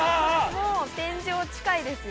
もう天井近いですよ。